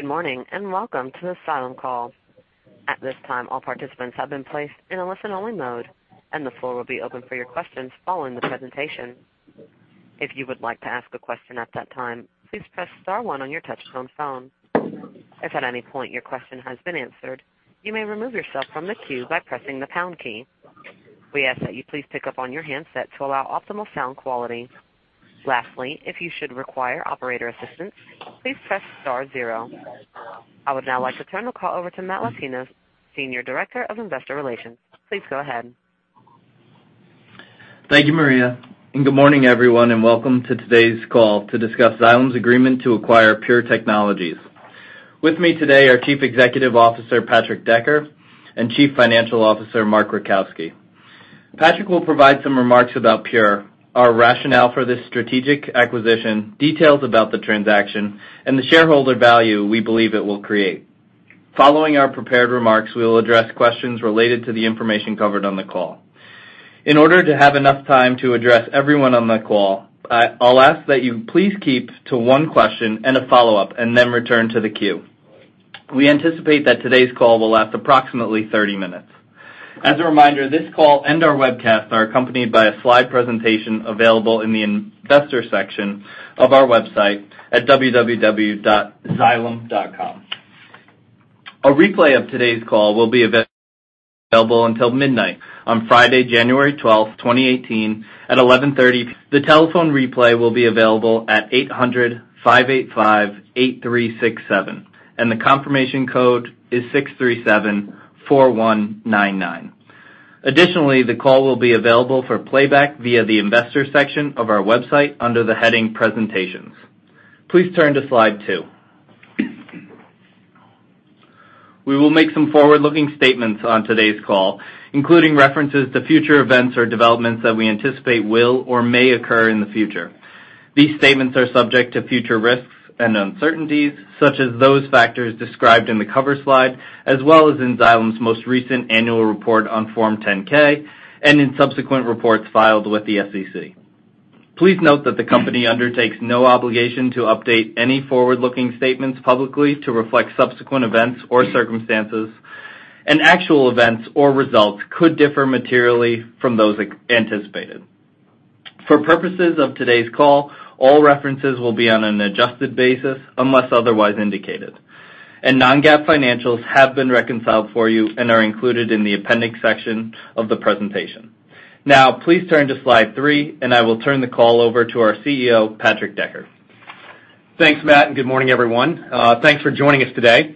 Good morning, and welcome to the Xylem call. At this time, all participants have been placed in a listen-only mode, and the floor will be open for your questions following the presentation. If you would like to ask a question at that time, please press star one on your touchtone phone. If at any point your question has been answered, you may remove yourself from the queue by pressing the pound key. We ask that you please pick up on your handset to allow optimal sound quality. Lastly, if you should require operator assistance, please press star zero. I would now like to turn the call over to Matt Latino, Senior Director of Investor Relations. Please go ahead. Thank you, Maria, and good morning everyone, and welcome to today's call to discuss Xylem's agreement to acquire Pure Technologies. With me today are Chief Executive Officer, Patrick Decker, and Chief Financial Officer, Mark Rajkowski. Patrick will provide some remarks about Pure, our rationale for this strategic acquisition, details about the transaction, and the shareholder value we believe it will create. Following our prepared remarks, we will address questions related to the information covered on the call. In order to have enough time to address everyone on the call, I'll ask that you please keep to one question and a follow-up, then return to the queue. We anticipate that today's call will last approximately 30 minutes. As a reminder, this call and our webcast are accompanied by a slide presentation available in the investor section of our website at www.xylem.com. A replay of today's call will be available until midnight on Friday, January 12th, 2018, at 11:30 A.M. The telephone replay will be available at 800-585-8367, and the confirmation code is 6374199. Additionally, the call will be available for playback via the investor section of our website under the heading Presentations. Please turn to slide two. We will make some forward-looking statements on today's call, including references to future events or developments that we anticipate will or may occur in the future. These statements are subject to future risks and uncertainties, such as those factors described in the cover slide, as well as in Xylem's most recent annual report on Form 10-K, and in subsequent reports filed with the SEC. Please note that the company undertakes no obligation to update any forward-looking statements publicly to reflect subsequent events or circumstances, and actual events or results could differ materially from those anticipated. For purposes of today's call, all references will be on an adjusted basis unless otherwise indicated. Non-GAAP financials have been reconciled for you and are included in the appendix section of the presentation. Now, please turn to slide three, and I will turn the call over to our CEO, Patrick Decker. Thanks, Matt, good morning, everyone. Thanks for joining us today.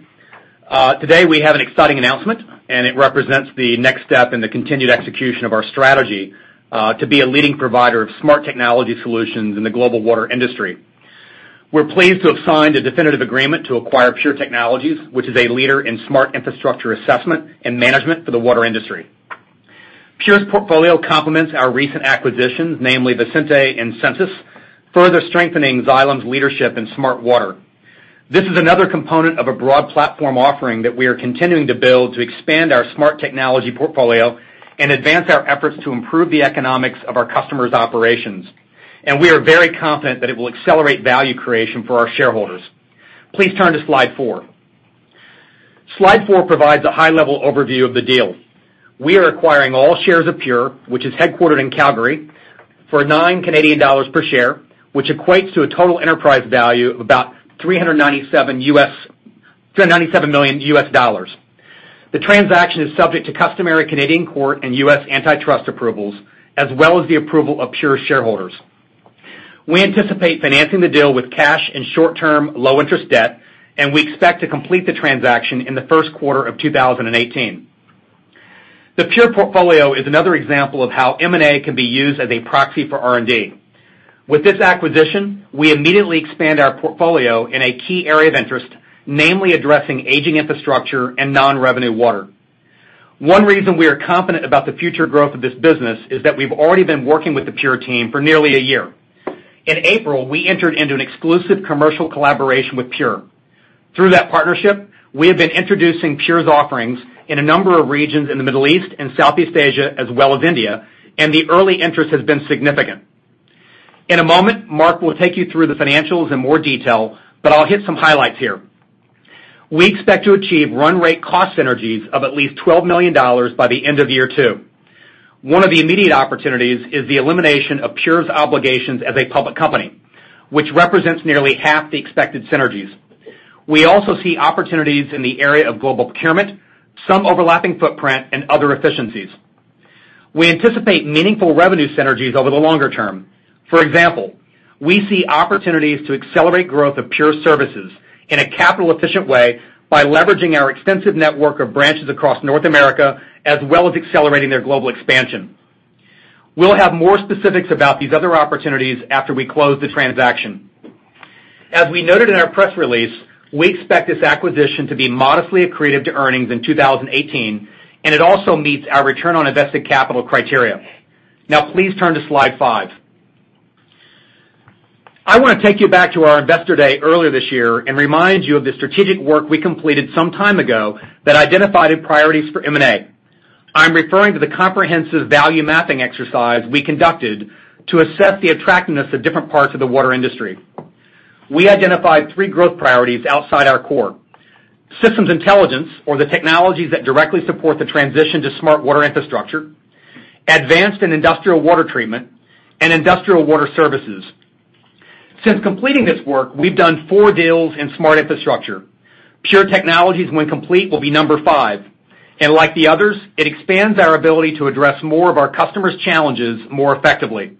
Today we have an exciting announcement. It represents the next step in the continued execution of our strategy, to be a leading provider of smart technology solutions in the global water industry. We're pleased to have signed a definitive agreement to acquire Pure Technologies, which is a leader in smart infrastructure assessment and management for the water industry. Pure's portfolio complements our recent acquisitions, namely Visenti and Sensus, further strengthening Xylem's leadership in smart water. This is another component of a broad platform offering that we are continuing to build to expand our smart technology portfolio and advance our efforts to improve the economics of our customers' operations. We are very confident that it will accelerate value creation for our shareholders. Please turn to slide four. Slide four provides a high-level overview of the deal. We are acquiring all shares of Pure, which is headquartered in Calgary, for 9 Canadian dollars per share, which equates to a total enterprise value of about $397 million. The transaction is subject to customary Canadian court and U.S. antitrust approvals, as well as the approval of Pure shareholders. We anticipate financing the deal with cash and short-term, low-interest debt. We expect to complete the transaction in the first quarter of 2018. The Pure portfolio is another example of how M&A can be used as a proxy for R&D. With this acquisition, we immediately expand our portfolio in a key area of interest, namely addressing aging infrastructure and non-revenue water. One reason we are confident about the future growth of this business is that we've already been working with the Pure team for nearly a year. In April, we entered into an exclusive commercial collaboration with Pure. Through that partnership, we have been introducing Pure's offerings in a number of regions in the Middle East and Southeast Asia, as well as India. The early interest has been significant. In a moment, Mark will take you through the financials in more detail, but I'll hit some highlights here. We expect to achieve run rate cost synergies of at least $12 million by the end of year two. One of the immediate opportunities is the elimination of Pure's obligations as a public company, which represents nearly half the expected synergies. We also see opportunities in the area of global procurement, some overlapping footprint, and other efficiencies. We anticipate meaningful revenue synergies over the longer term. For example, we see opportunities to accelerate growth of Pure services in a capital-efficient way by leveraging our extensive network of branches across North America, as well as accelerating their global expansion. We'll have more specifics about these other opportunities after we close the transaction. As we noted in our press release, we expect this acquisition to be modestly accretive to earnings in 2018. It also meets our return on invested capital criteria. Now, please turn to slide five. I want to take you back to our Investor Day earlier this year and remind you of the strategic work we completed some time ago that identified priorities for M&A. I'm referring to the comprehensive value mapping exercise we conducted to assess the attractiveness of different parts of the water industry. We identified three growth priorities outside our core. Systems intelligence, or the technologies that directly support the transition to smart water infrastructure, advanced and industrial water treatment, and industrial water services. Since completing this work, we've done four deals in smart infrastructure. Pure Technologies, when complete, will be number five. Like the others, it expands our ability to address more of our customers' challenges more effectively.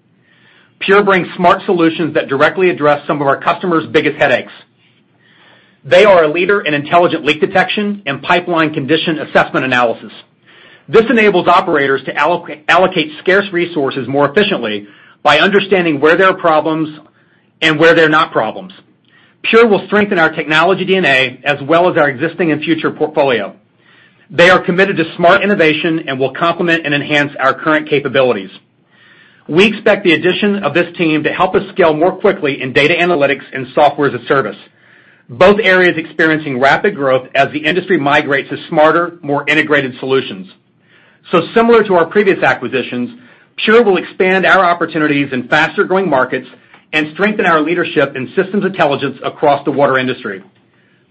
Pure brings smart solutions that directly address some of our customers' biggest headaches. They are a leader in intelligent leak detection and pipeline condition assessment analysis. This enables operators to allocate scarce resources more efficiently by understanding where there are problems and where there are not problems. Pure will strengthen our technology DNA as well as our existing and future portfolio. They are committed to smart innovation and will complement and enhance our current capabilities. We expect the addition of this team to help us scale more quickly in data analytics and software as a service, both areas experiencing rapid growth as the industry migrates to smarter, more integrated solutions. Similar to our previous acquisitions, Pure will expand our opportunities in faster-growing markets and strengthen our leadership in systems intelligence across the water industry.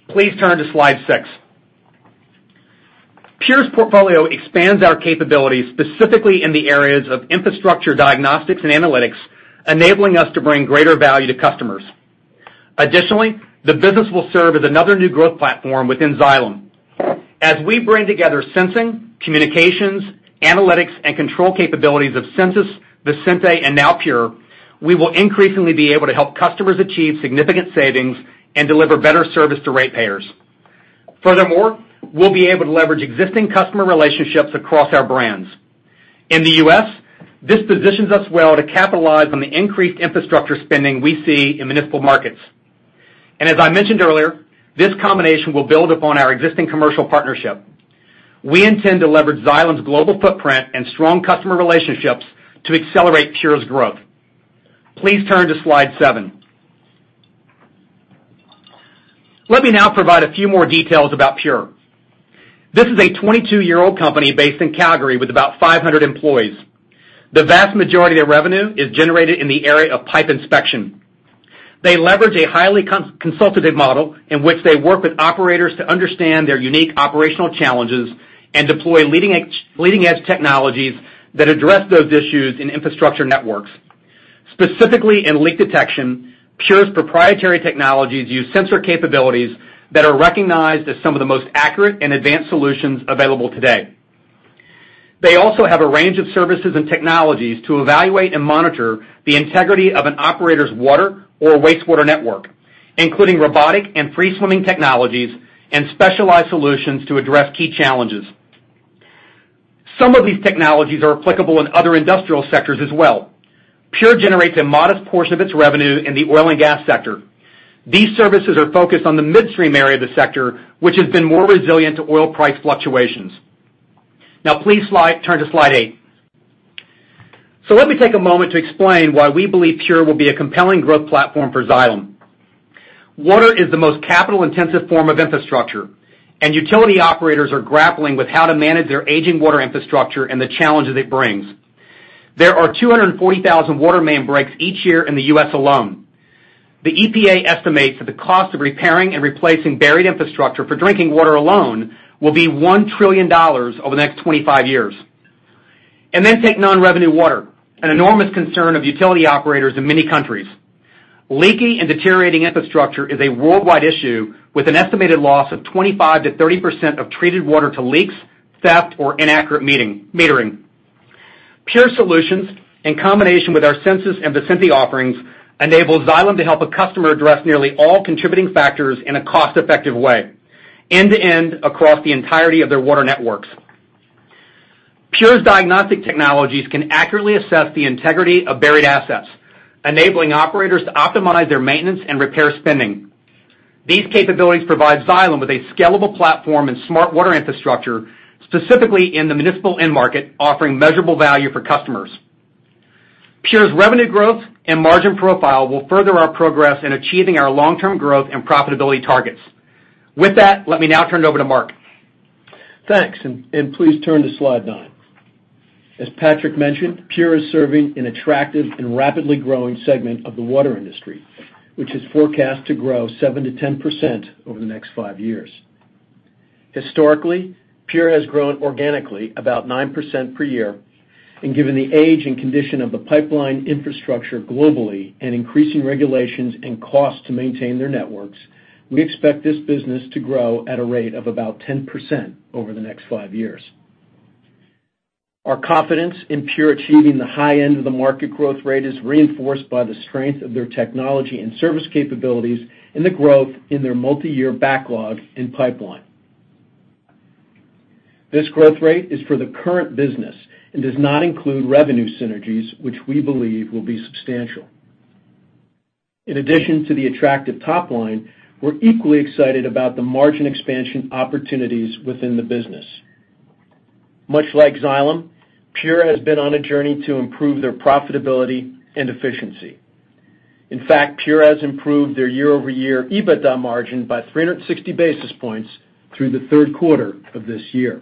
Please turn to slide six. Pure's portfolio expands our capabilities, specifically in the areas of infrastructure diagnostics and analytics, enabling us to bring greater value to customers. Additionally, the business will serve as another new growth platform within Xylem. As we bring together sensing, communications, analytics, and control capabilities of Sensus, Visenti, and now Pure, we will increasingly be able to help customers achieve significant savings and deliver better service to ratepayers. Furthermore, we'll be able to leverage existing customer relationships across our brands. In the U.S., this positions us well to capitalize on the increased infrastructure spending we see in municipal markets. As I mentioned earlier, this combination will build upon our existing commercial partnership. We intend to leverage Xylem's global footprint and strong customer relationships to accelerate Pure's growth. Please turn to slide seven. Let me now provide a few more details about Pure. This is a 22-year-old company based in Calgary with about 500 employees. The vast majority of revenue is generated in the area of pipe inspection. They leverage a highly consultative model in which they work with operators to understand their unique operational challenges and deploy leading-edge technologies that address those issues in infrastructure networks. Specifically in leak detection, Pure's proprietary technologies use sensor capabilities that are recognized as some of the most accurate and advanced solutions available today. They also have a range of services and technologies to evaluate and monitor the integrity of an operator's water or wastewater network, including robotic and free-swimming technologies and specialized solutions to address key challenges. Some of these technologies are applicable in other industrial sectors as well. Pure generates a modest portion of its revenue in the oil and gas sector. These services are focused on the midstream area of the sector, which has been more resilient to oil price fluctuations. Please turn to slide eight. Let me take a moment to explain why we believe Pure will be a compelling growth platform for Xylem. Water is the most capital-intensive form of infrastructure, and utility operators are grappling with how to manage their aging water infrastructure and the challenges it brings. There are 240,000 water main breaks each year in the U.S. alone. The EPA estimates that the cost of repairing and replacing buried infrastructure for drinking water alone will be $1 trillion over the next 25 years. Then take non-revenue water, an enormous concern of utility operators in many countries. Leaky and deteriorating infrastructure is a worldwide issue, with an estimated loss of 25%-30% of treated water to leaks, theft, or inaccurate metering. Pure Technologies, in combination with our Sensus and Visenti offerings, enables Xylem to help a customer address nearly all contributing factors in a cost-effective way, end-to-end across the entirety of their water networks. Pure's diagnostic technologies can accurately assess the integrity of buried assets, enabling operators to optimize their maintenance and repair spending. These capabilities provide Xylem with a scalable platform in smart water infrastructure, specifically in the municipal end market, offering measurable value for customers. Pure's revenue growth and margin profile will further our progress in achieving our long-term growth and profitability targets. With that, let me now turn it over to Mark. Thanks. Please turn to slide nine. As Patrick mentioned, Pure is serving an attractive and rapidly growing segment of the water industry, which is forecast to grow 7%-10% over the next five years. Historically, Pure has grown organically about 9% per year, given the age and condition of the pipeline infrastructure globally and increasing regulations and costs to maintain their networks, we expect this business to grow at a rate of about 10% over the next five years. Our confidence in Pure achieving the high end of the market growth rate is reinforced by the strength of their technology and service capabilities and the growth in their multiyear backlog and pipeline. This growth rate is for the current business and does not include revenue synergies, which we believe will be substantial. In addition to the attractive top line, we're equally excited about the margin expansion opportunities within the business. Much like Xylem Pure has been on a journey to improve their profitability and efficiency. In fact, Pure has improved their year-over-year EBITDA margin by 360 basis points through the third quarter of this year.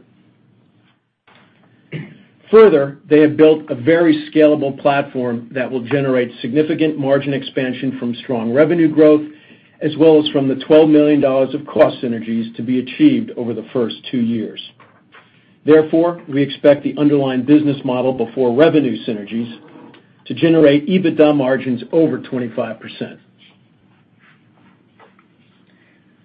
Further, they have built a very scalable platform that will generate significant margin expansion from strong revenue growth, as well as from the $12 million of cost synergies to be achieved over the first two years. Therefore, we expect the underlying business model before revenue synergies to generate EBITDA margins over 25%.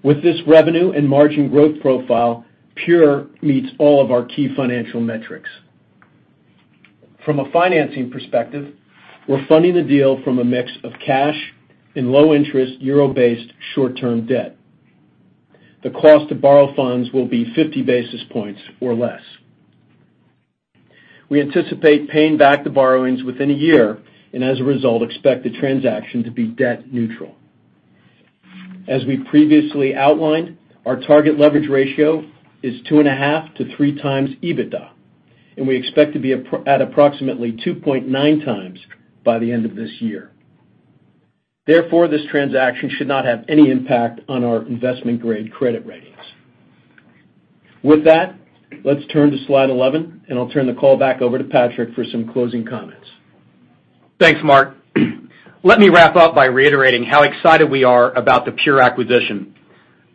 With this revenue and margin growth profile, Pure meets all of our key financial metrics. From a financing perspective, we're funding the deal from a mix of cash and low interest euro-based short-term debt. The cost to borrow funds will be 50 basis points or less. We anticipate paying back the borrowings within a year, and as a result, expect the transaction to be debt neutral. As we previously outlined, our target leverage ratio is 2.5x-3x EBITDA, and we expect to be at approximately 2.9x by the end of this year. Therefore, this transaction should not have any impact on our investment-grade credit ratings. With that, let's turn to slide 11, and I'll turn the call back over to Patrick for some closing comments. Thanks, Mark. Let me wrap up by reiterating how excited we are about the Pure acquisition.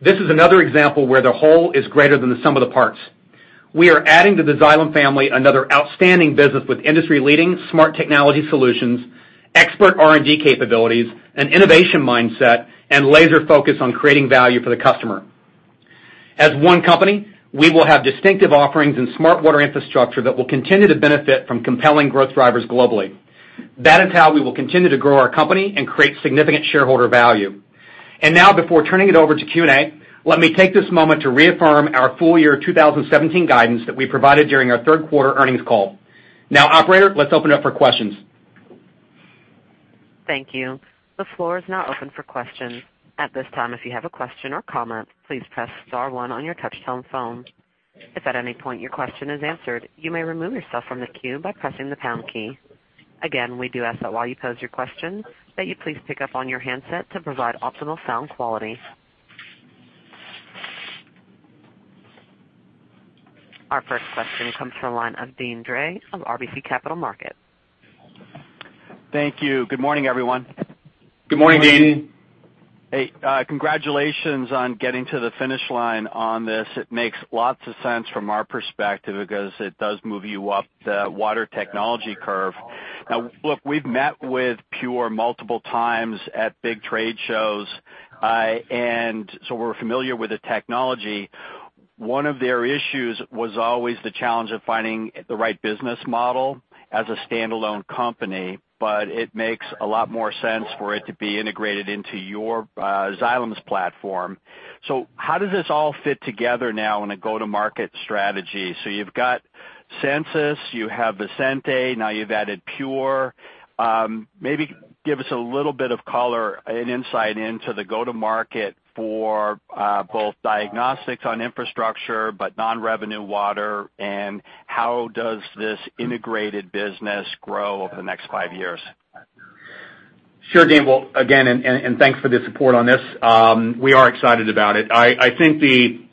This is another example where the whole is greater than the sum of the parts. We are adding to the Xylem family another outstanding business with industry-leading smart technology solutions, expert R&D capabilities, an innovation mindset, and laser focus on creating value for the customer. As one company, we will have distinctive offerings in smart water infrastructure that will continue to benefit from compelling growth drivers globally. That is how we will continue to grow our company and create significant shareholder value. Before turning it over to Q&A, let me take this moment to reaffirm our full year 2017 guidance that we provided during our third quarter earnings call. Operator, let's open up for questions. Thank you. The floor is now open for questions. At this time, if you have a question or comment, please press star one on your touchtone phone. If at any point your question is answered, you may remove yourself from the queue by pressing the pound key. Again, we do ask that while you pose your question, that you please pick up on your handset to provide optimal sound quality. Our first question comes from the line of Deane Dray from RBC Capital Markets. Thank you. Good morning, everyone. Good morning, Deane. Hey, congratulations on getting to the finish line on this. It makes lots of sense from our perspective because it does move you up the water technology curve. We've met with Pure multiple times at big trade shows, so we're familiar with the technology. One of their issues was always the challenge of finding the right business model as a standalone company, it makes a lot more sense for it to be integrated into your Xylem's platform. How does this all fit together now in a go-to-market strategy? You've got Sensus, you have Visenti, now you've added Pure. Maybe give us a little bit of color and insight into the go to market for both diagnostics on infrastructure, non-revenue water, and how does this integrated business grow over the next five years? Sure, Deane. Thanks for the support on this. We are excited about it. Obviously,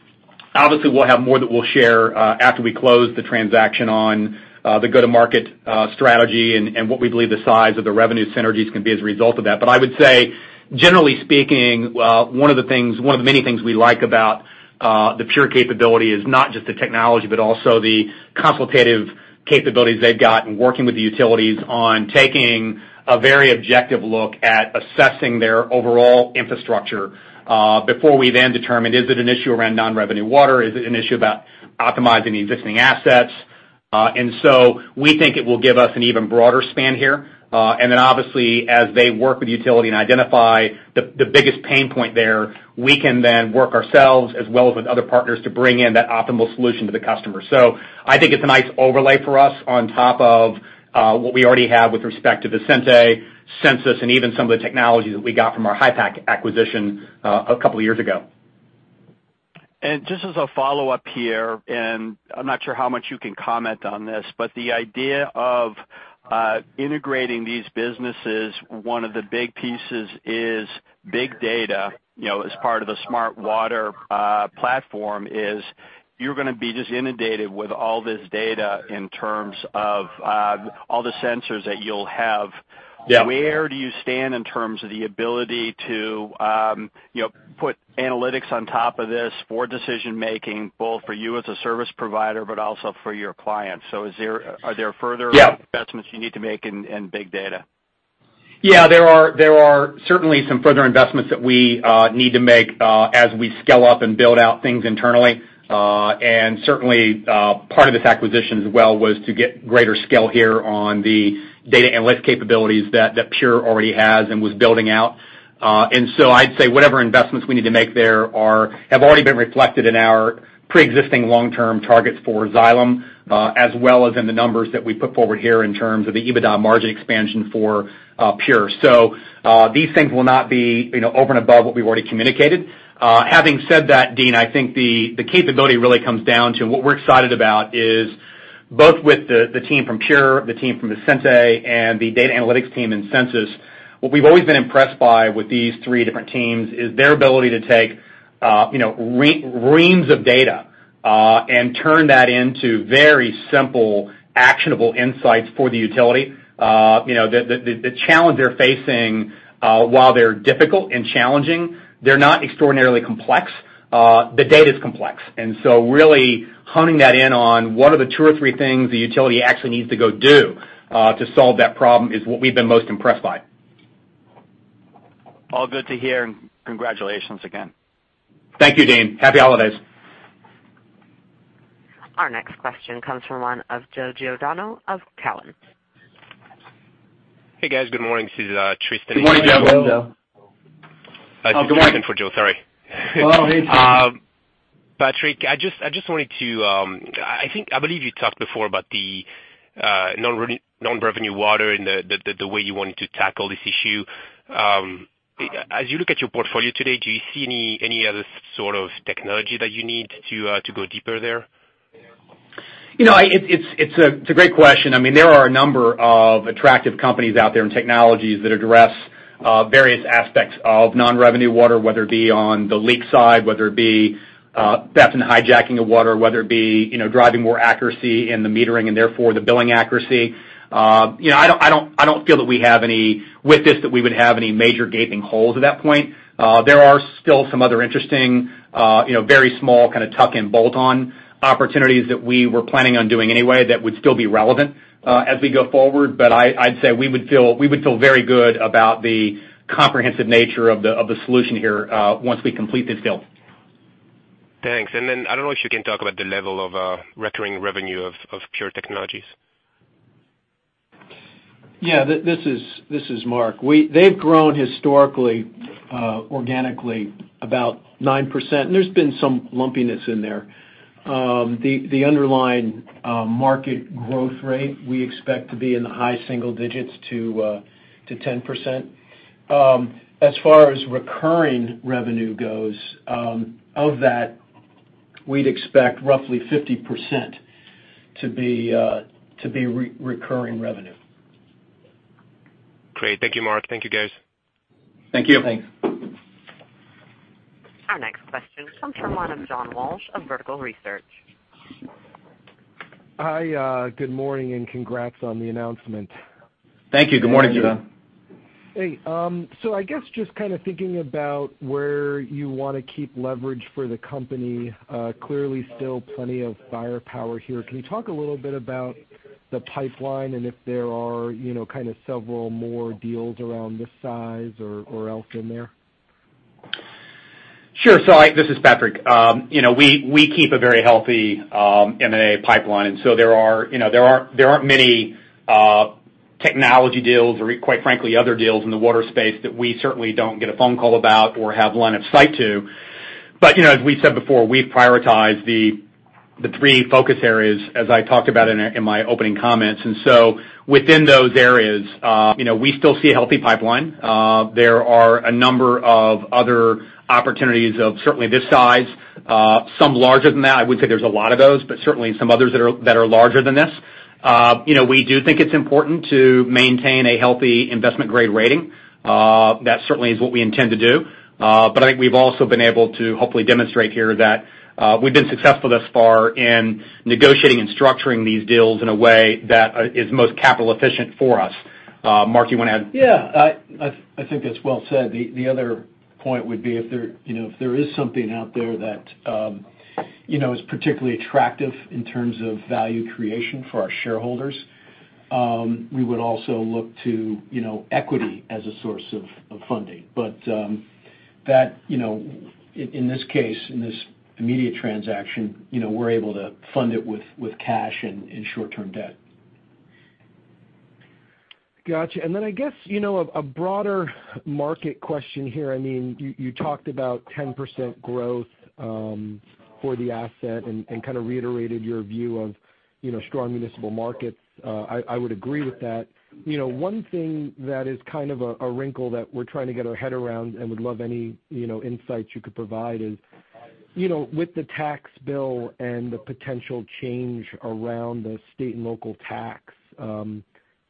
we'll have more that we'll share after we close the transaction on the go-to-market strategy and what we believe the size of the revenue synergies can be as a result of that. I would say, generally speaking, one of the many things we like about the Pure capability is not just the technology, but also the consultative capabilities they've got in working with the utilities on taking a very objective look at assessing their overall infrastructure, before we then determine, is it an issue around non-revenue water? Is it an issue about optimizing the existing assets? We think it will give us an even broader span here. As they work with utility and identify the biggest pain point there, we can then work ourselves as well as with other partners to bring in that optimal solution to the customer. I think it's a nice overlay for us on top of what we already have with respect to Visenti, Sensus, and even some of the technology that we got from our HYPACK acquisition a couple of years ago. The idea of integrating these businesses, one of the big pieces is big data, as part of the smart water platform is you're going to be just inundated with all this data in terms of all the sensors that you'll have. Yeah. Where do you stand in terms of the ability to put analytics on top of this for decision making, both for you as a service provider, but also for your clients? Are there further- Yeah investments you need to make in big data? There are certainly some further investments that we need to make as we scale up and build out things internally. Certainly, part of this acquisition as well was to get greater scale here on the data analytics capabilities that Pure already has and was building out. I'd say whatever investments we need to make there have already been reflected in our preexisting long-term targets for Xylem, as well as in the numbers that we put forward here in terms of the EBITDA margin expansion for Pure. These things will not be over and above what we've already communicated. Having said that, Deane, I think the capability really comes down to what we're excited about is Both with the team from Pure, the team from Visenti, and the data analytics team in Sensus, what we've always been impressed by with these three different teams is their ability to take reams of data and turn that into very simple, actionable insights for the utility. The challenge they're facing, while they're difficult and challenging, they're not extraordinarily complex. The data's complex, really honing that in on what are the two or three things the utility actually needs to go do to solve that problem is what we've been most impressed by. All good to hear. Congratulations again. Thank you, Deane. Happy holidays. Our next question comes from one of Joe Giordano of Cowen. Hey, guys. Good morning. This is Tristan. Good morning, Joe. Good morning, Joe. I'm Tristan for Joe, sorry. Oh, hey, Tristan. Patrick, I believe you talked before about the non-revenue water and the way you wanted to tackle this issue. As you look at your portfolio today, do you see any other sort of technology that you need to go deeper there? It's a great question. There are a number of attractive companies out there and technologies that address various aspects of non-revenue water, whether it be on the leak side, whether it be theft and hijacking of water, whether it be driving more accuracy in the metering and therefore the billing accuracy. I don't feel that with this, that we would have any major gaping holes at that point. There are still some other interesting, very small kind of tuck-in bolt-on opportunities that we were planning on doing anyway that would still be relevant as we go forward. I'd say we would feel very good about the comprehensive nature of the solution here once we complete this deal. Thanks. Then I don't know if you can talk about the level of recurring revenue of Pure Technologies. Yeah. This is Mark. They've grown historically organically about 9%, there's been some lumpiness in there. The underlying market growth rate we expect to be in the high single digits to 10%. As far as recurring revenue goes, of that, we'd expect roughly 50% to be recurring revenue. Great. Thank you, Mark. Thank you, guys. Thank you. Thanks. Our next question comes from one of John Walsh of Vertical Research. Hi, good morning, and congrats on the announcement. Thank you. Good morning, John. Hey. I guess just kind of thinking about where you want to keep leverage for the company, clearly still plenty of firepower here. Can you talk a little bit about the pipeline and if there are kind of several more deals around this size or else in there? Sure. This is Patrick. We keep a very healthy M&A pipeline, and there aren't many technology deals or quite frankly other deals in the water space that we certainly don't get a phone call about or have line of sight to. As we said before, we prioritize the three focus areas as I talked about in my opening comments. Within those areas, we still see a healthy pipeline. There are a number of other opportunities of certainly this size, some larger than that. I wouldn't say there's a lot of those, but certainly some others that are larger than this. We do think it's important to maintain a healthy investment-grade rating. That certainly is what we intend to do. I think we've also been able to hopefully demonstrate here that we've been successful thus far in negotiating and structuring these deals in a way that is most capital efficient for us. Mark, you want to add? Yeah. I think that's well said. The other point would be if there is something out there that is particularly attractive in terms of value creation for our shareholders, we would also look to equity as a source of funding. In this case, in this immediate transaction, we're able to fund it with cash and short-term debt. Got you. Then I guess, a broader market question here. You talked about 10% growth for the asset and kind of reiterated your view of strong municipal markets. I would agree with that. One thing that is kind of a wrinkle that we're trying to get our head around and would love any insights you could provide is, with the tax bill and the potential change around the state and local tax,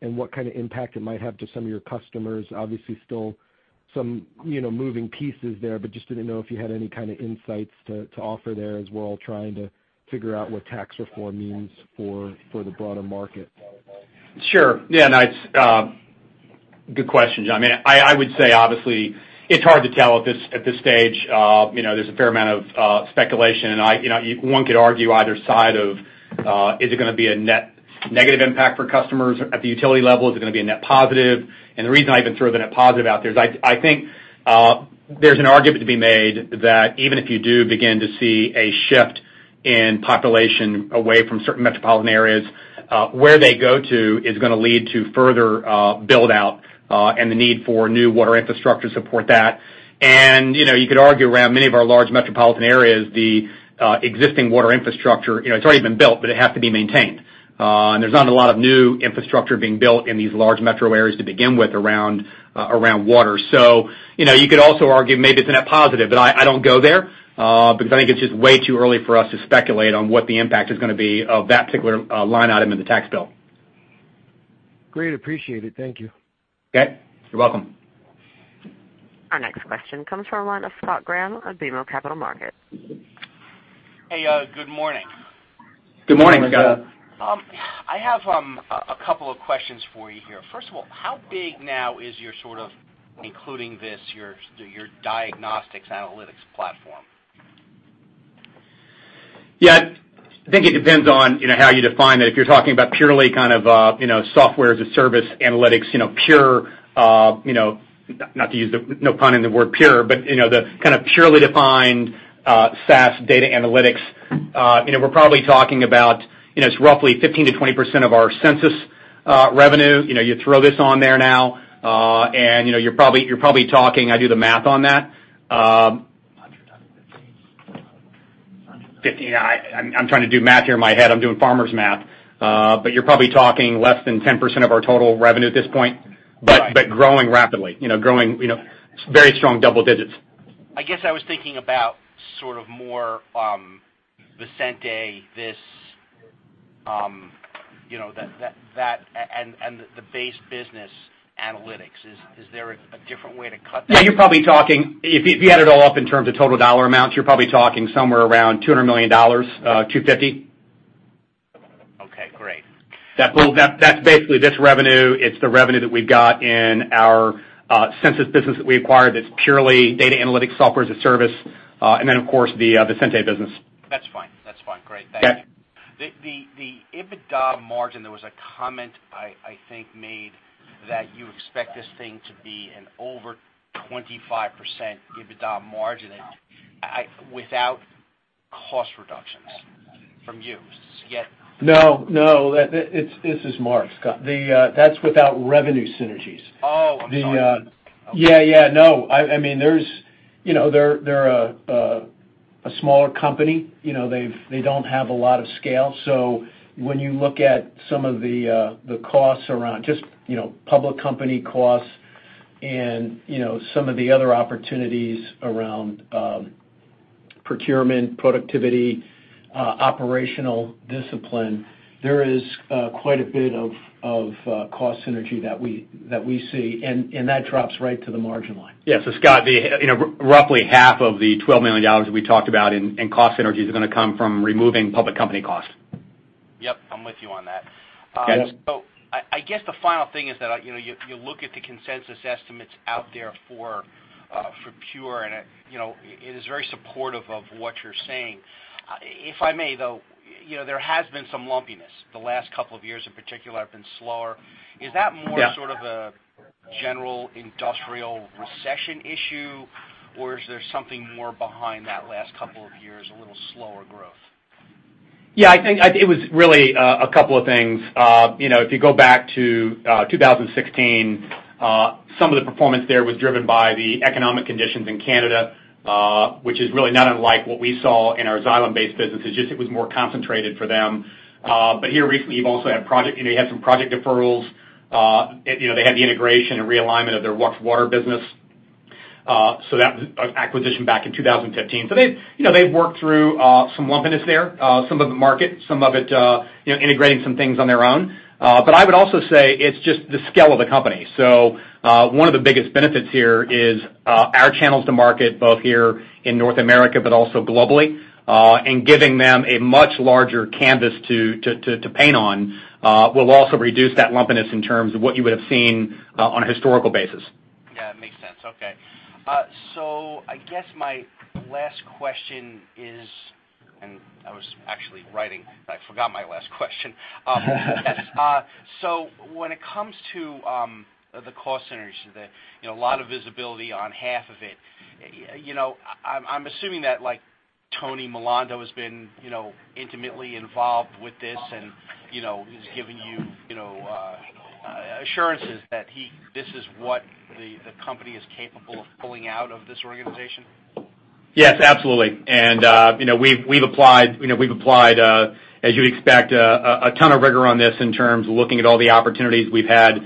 and what kind of impact it might have to some of your customers, obviously still some moving pieces there, but just didn't know if you had any kind of insights to offer there as we're all trying to figure out what tax reform means for the broader market. Sure. Yeah, it's a good question, John. I would say, obviously, it's hard to tell at this stage. There's a fair amount of speculation, and one could argue either side of, is it going to be a net negative impact for customers at the utility level? Is it going to be a net positive? The reason I even throw the net positive out there is I think there's an argument to be made that even if you do begin to see a shift in population away from certain metropolitan areas, where they go to is going to lead to further build-out, and the need for new water infrastructure support that. You could argue around many of our large metropolitan areas, the existing water infrastructure, it's already been built, but it has to be maintained. There's not a lot of new infrastructure being built in these large metro areas to begin with around water. You could also argue maybe it's a net positive, I don't go there, because I think it's just way too early for us to speculate on what the impact is going to be of that particular line item in the tax bill. Great. Appreciate it. Thank you. Okay. You're welcome. Our next question comes from the line of Scott Graham of BMO Capital Markets. Hey, good morning. Good morning, Scott. I have a couple of questions for you here. First of all, how big now is your, including this, diagnostics analytics platform? I think it depends on how you define that. If you're talking about purely software as a service analytics, Pure, not to use no pun in the word Pure, but the kind of purely defined SaaS data analytics, we're probably talking about, it's roughly 15%-20% of our Sensus revenue. You throw this on there now, you're probably talking, I do the math on that, I'm trying to do math here in my head. I'm doing farmer's math. You're probably talking less than 10% of our total revenue at this point. Right. Growing rapidly. Growing very strong double digits. I guess I was thinking about more Visenti and the base business analytics. Is there a different way to cut that? Yeah, if you add it all up in terms of total dollar amounts, you're probably talking somewhere around $200 million, $250. Okay, great. That's basically this revenue. It's the revenue that we've got in our Sensus business that we acquired that's purely data analytics software as a service. Then, of course, the Visenti business. That's fine. Great. Thank you. Yeah. The EBITDA margin, there was a comment, I think, made that you expect this thing to be an over 25% EBITDA margin without cost reductions from you. Is this it yet? No. This is Mark, Scott. That's without revenue synergies. Oh, I'm sorry. No, they're a smaller company. They don't have a lot of scale. When you look at some of the costs around just public company costs and some of the other opportunities around procurement, productivity, operational discipline, there is quite a bit of cost synergy that we see, and that drops right to the margin line. Scott, roughly half of the $12 million that we talked about in cost synergies are going to come from removing public company costs. Yes, I'm with you on that. Okay. I guess the final thing is that, you look at the consensus estimates out there for Pure, it is very supportive of what you're saying. If I may, though, there has been some lumpiness. The last couple of years in particular have been slower. Yeah. Is that more sort of a general industrial recession issue, or is there something more behind that last couple of years, a little slower growth? Yeah, I think it was really a couple of things. If you go back to 2016, some of the performance there was driven by the economic conditions in Canada, which is really not unlike what we saw in our Xylem based businesses, just it was more concentrated for them. Here recently, they had some project deferrals. They had the integration and realignment of their Wachs Water business. That acquisition back in 2015. They've worked through some lumpiness there, some of the market, some of it integrating some things on their own. I would also say it's just the scale of the company. One of the biggest benefits here is our channels to market, both here in North America, but also globally, and giving them a much larger canvas to paint on will also reduce that lumpiness in terms of what you would have seen on a historical basis. Yeah, it makes sense. Okay. I guess my last question is, and I was actually writing, but I forgot my last question. When it comes to the cost centers, a lot of visibility on half of it, I'm assuming that Anthony Milando has been intimately involved with this, and he's giving you assurances that this is what the company is capable of pulling out of this organization. Yes, absolutely. We've applied, as you'd expect, a ton of rigor on this in terms of looking at all the opportunities. We've had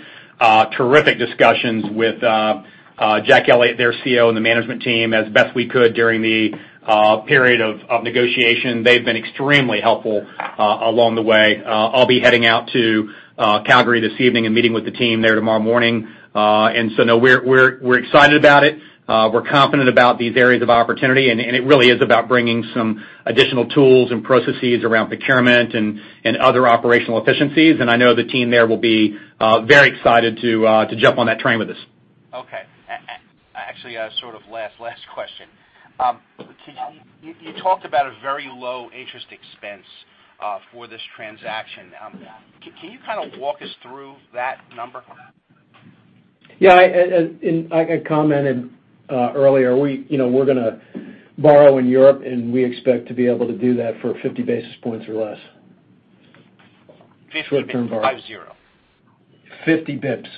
terrific discussions with John Elliott, their CEO, and the management team as best we could during the period of negotiation. They've been extremely helpful along the way. I'll be heading out to Calgary this evening and meeting with the team there tomorrow morning. No, we're excited about it. We're confident about these areas of opportunity, and it really is about bringing some additional tools and processes around procurement and other operational efficiencies. I know the team there will be very excited to jump on that train with us. Okay. Actually, sort of last question. You talked about a very low interest expense for this transaction. Yeah. Can you kind of walk us through that number? Yeah. I commented earlier, we're going to borrow in Europe, we expect to be able to do that for 50 basis points or less. Short-term borrowing. 50? Five zero. 50 basis points.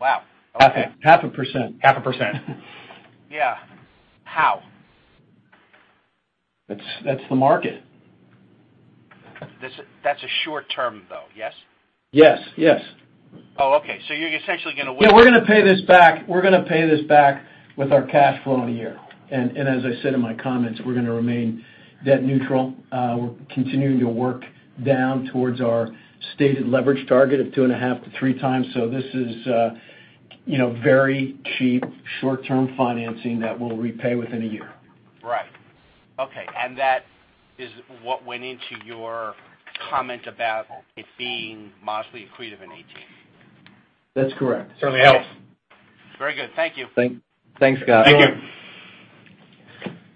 Wow, okay. Half a %. Half a %. Yeah. How? That's the market. That's a short-term, though, yes? Yes. Oh, okay. You're essentially going to- Yeah, we're going to pay this back with our cash flow in a year. As I said in my comments, we're going to remain debt neutral. We're continuing to work down towards our stated leverage target of 2.5x to 3x. This is very cheap short-term financing that we'll repay within a year. Right. Okay. That is what went into your comment about it being modestly accretive in 2018? That's correct. Certainly helps. Very good. Thank you. Thanks, Scott. Thank you.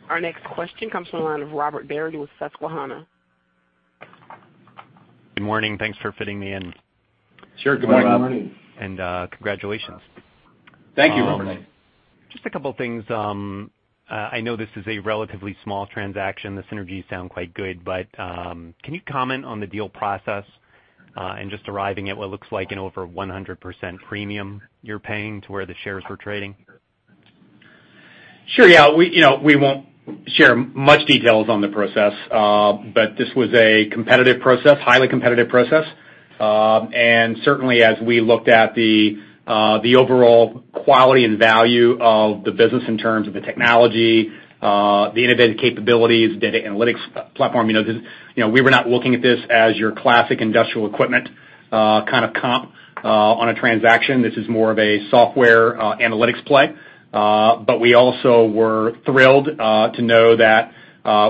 Our next question comes from the line of Robert Barry with Susquehanna. Good morning. Thanks for fitting me in. Sure. Good morning. Good morning. Congratulations. Thank you, Robert. Just a couple of things. I know this is a relatively small transaction. The synergies sound quite good. Can you comment on the deal process, and just arriving at what looks like an over 100% premium you're paying to where the shares were trading? Sure. Yeah. We won't share much details on the process. This was a competitive process, highly competitive process. Certainly as we looked at the overall quality and value of the business in terms of the technology, the innovative capabilities, data analytics platform. We were not looking at this as your classic industrial equipment kind of comp on a transaction. This is more of a software analytics play. We also were thrilled to know that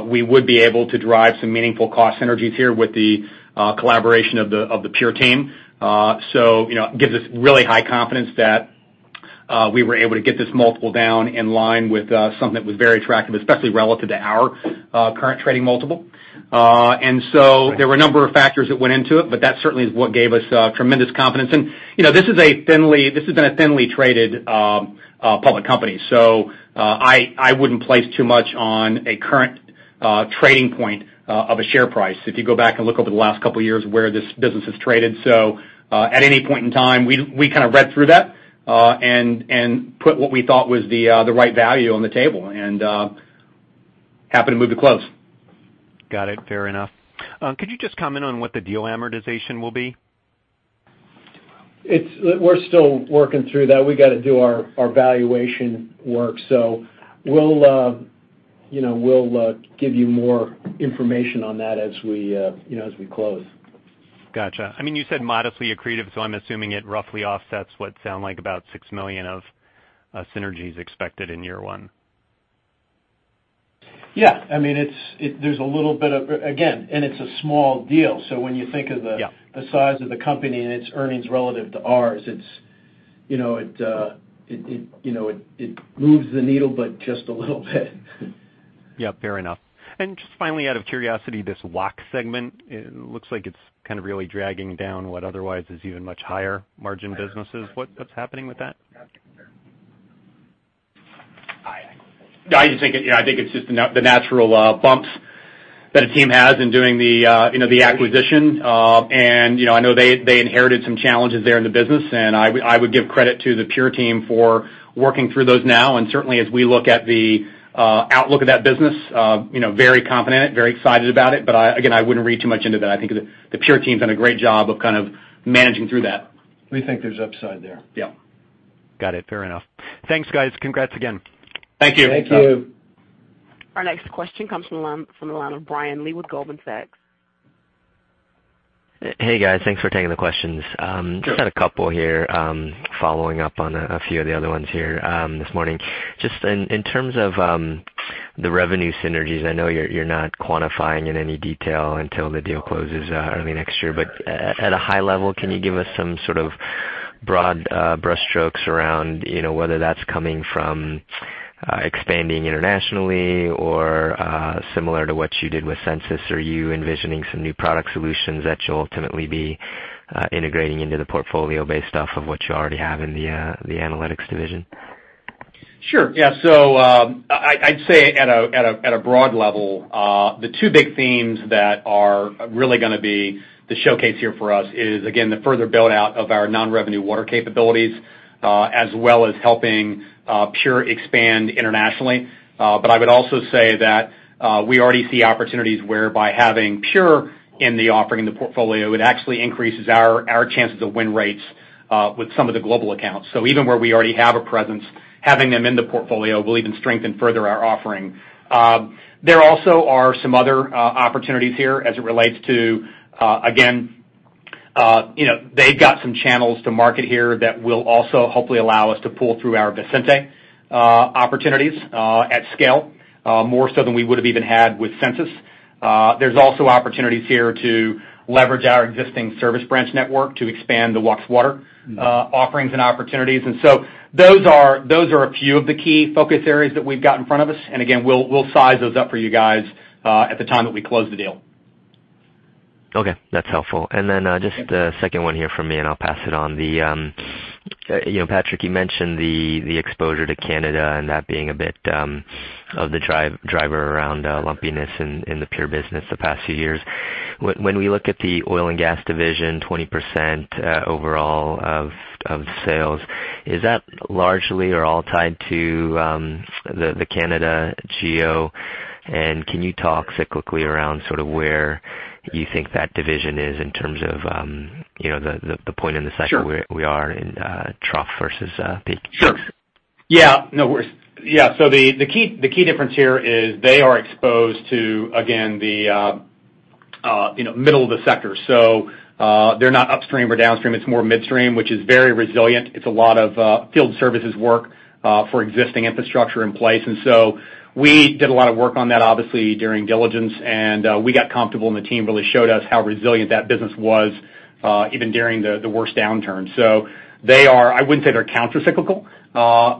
we would be able to drive some meaningful cost synergies here with the collaboration of the Pure team. It gives us really high confidence that we were able to get this multiple down in line with something that was very attractive, especially relative to our current trading multiple. There were a number of factors that went into it, but that certainly is what gave us tremendous confidence. This has been a thinly traded public company. I wouldn't place too much on a current trading point of a share price if you go back and look over the last couple of years where this business has traded. At any point in time, we kind of read through that, and put what we thought was the right value on the table and happy to move to close. Got it. Fair enough. Could you just comment on what the deal amortization will be? We're still working through that. We got to do our valuation work. We'll give you more information on that as we close. Got you. I'm assuming it roughly offsets what sound like about $6 million of synergies expected in year one. Yeah. There's a little bit of Again, and it's a small deal, so when you think of the Yeah the size of the company and its earnings relative to ours, it moves the needle, but just a little bit. Yeah. Fair enough. Just finally, out of curiosity, this Wachs segment, it looks like it's kind of really dragging down what otherwise is even much higher margin businesses. What's happening with that? I think it's just the natural bumps that a team has in doing the acquisition. I know they inherited some challenges there in the business, I would give credit to the Pure team for working through those now. Certainly as we look at the outlook of that business, very confident, very excited about it. Again, I wouldn't read too much into that. I think the Pure team's done a great job of kind of managing through that. We think there's upside there. Yeah. Got it. Fair enough. Thanks, guys. Congrats again. Thank you. Thank you. Our next question comes from the line of Brian Lee with Goldman Sachs. Hey, guys. Thanks for taking the questions. Sure. Just had a couple here, following up on a few of the other ones here this morning. At a high level, can you give us some sort of broad brushstrokes around whether that's coming from expanding internationally or similar to what you did with Sensus, or are you envisioning some new product solutions that you'll ultimately be integrating into the portfolio based off of what you already have in the analytics division? Sure. Yeah. I'd say at a broad level, the two big themes that are really going to be the showcase here for us is, again, the further build-out of our non-revenue water capabilities, as well as helping Pure expand internationally. I would also say that, we already see opportunities where by having Pure in the offering, in the portfolio, it actually increases our chances of win rates with some of the global accounts. Even where we already have a presence, having them in the portfolio will even strengthen further our offering. There also are some other opportunities here as it relates to, again, they've got some channels to market here that will also hopefully allow us to pull through our Visenti opportunities at scale, more so than we would've even had with Sensus. There's also opportunities here to leverage our existing service branch network to expand the Wachs Water offerings and opportunities. Those are a few of the key focus areas that we've got in front of us. Again, we'll size those up for you guys at the time that we close the deal. Okay. Just a second one here from me, and I'll pass it on. Patrick, you mentioned the exposure to Canada and that being a bit of the driver around lumpiness in the Pure business the past few years. When we look at the oil and gas division, 20% overall of sales. Is that largely or all tied to the Canada geo? Can you talk cyclically around sort of where you think that division is in terms of the point in the cycle- Sure where we are in trough versus peak? Sure. Yeah. The key difference here is they are exposed to, again, the middle of the sector. They're not upstream or downstream, it's more midstream, which is very resilient. It's a lot of field services work for existing infrastructure in place. We did a lot of work on that, obviously, during diligence, and we got comfortable and the team really showed us how resilient that business was, even during the worst downturn. They are, I wouldn't say they're countercyclical,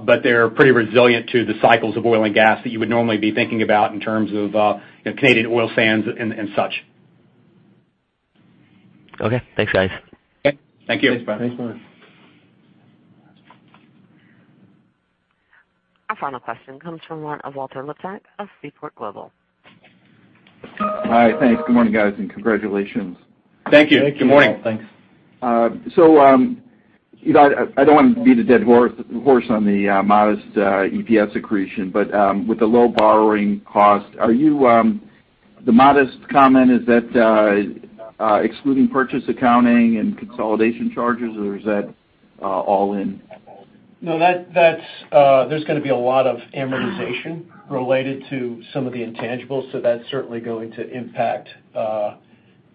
but they're pretty resilient to the cycles of oil and gas that you would normally be thinking about in terms of Canadian oil sands and such. Okay, thanks, guys. Okay. Thank you. Thanks, Brian. Thanks, Brian. Our final question comes from one of Walter Liptak of Seaport Global. Hi. Thanks. Good morning, guys, and congratulations. Thank you. Thank you. Good morning. Thanks. I don't want to beat a dead horse on the modest EPS accretion, with the low borrowing cost, the modest comment, is that excluding purchase accounting and consolidation charges or is that all in? There's going to be a lot of amortization related to some of the intangibles. That's certainly going to impact our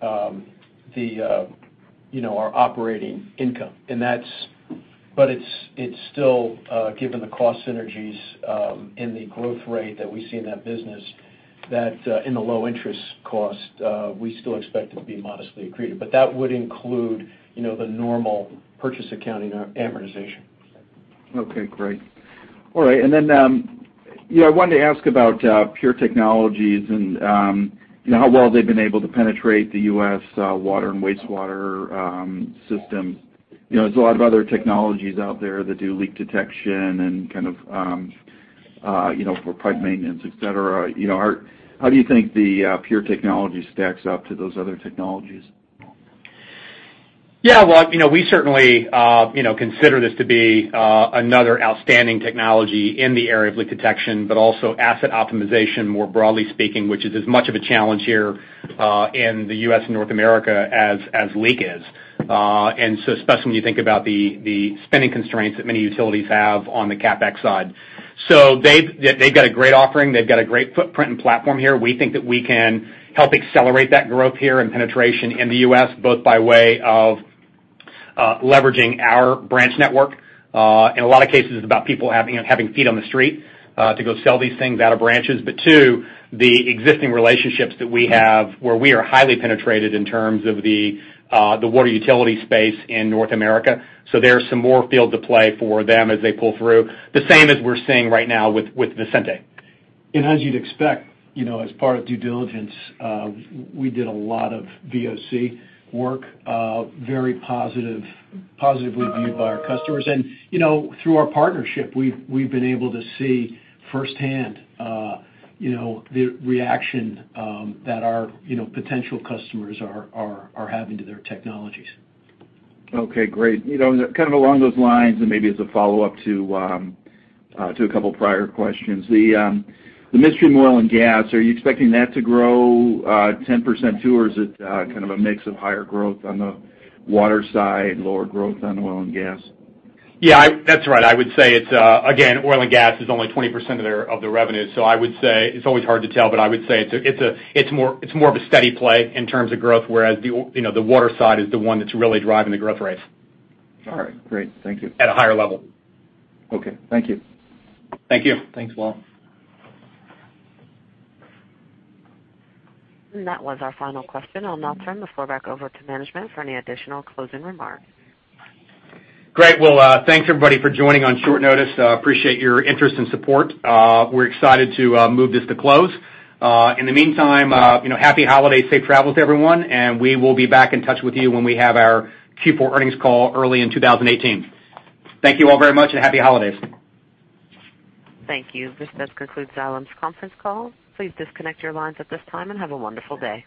operating income. It's still, given the cost synergies, and the growth rate that we see in that business, that and the low interest cost, we still expect it to be modestly accretive. That would include the normal purchase accounting amortization. Great. All right. I wanted to ask about Pure Technologies and how well they've been able to penetrate the U.S. water and wastewater system. There's a lot of other technologies out there that do leak detection and kind of for pipe maintenance, et cetera. How do you think the Pure Technologies stacks up to those other technologies? Well, we certainly consider this to be another outstanding technology in the area of leak detection, but also asset optimization, more broadly speaking, which is as much of a challenge here in the U.S., North America as leak is. Especially when you think about the spending constraints that many utilities have on the CapEx side. They've got a great offering. They've got a great footprint and platform here. We think that we can help accelerate that growth here and penetration in the U.S. both by way of leveraging our branch network. In a lot of cases, it's about people having feet on the street to go sell these things out of branches. Two, the existing relationships that we have where we are highly penetrated in terms of the water utility space in North America. There's some more field to play for them as they pull through. The same as we're seeing right now with Visenti. As you'd expect, as part of due diligence, we did a lot of VOC work, very positively viewed by our customers. Through our partnership, we've been able to see firsthand the reaction that our potential customers are having to their technologies. Okay, great. Kind of along those lines and maybe as a follow-up to a couple prior questions, the midstream oil and gas, are you expecting that to grow 10% too, or is it kind of a mix of higher growth on the water side, lower growth on oil and gas? Yeah, that's right. I would say it's, again, oil and gas is only 20% of their revenue. I would say it's always hard to tell, but I would say it's more of a steady play in terms of growth, whereas the water side is the one that's really driving the growth rates. All right, great. Thank you. At a higher level. Okay. Thank you. Thank you. Thanks, Walt. That was our final question. I'll now turn the floor back over to management for any additional closing remarks. Great. Well, thanks everybody for joining on short notice. Appreciate your interest and support. We're excited to move this to close. In the meantime, Happy Holidays, safe travels, everyone, and we will be back in touch with you when we have our Q4 earnings call early in 2018. Thank you all very much and Happy Holidays. Thank you. This does conclude Xylem's conference call. Please disconnect your lines at this time and have a wonderful day.